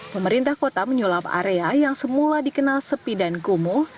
pemerintah kota menyulap area yang semula dikenal sepi dan kumuh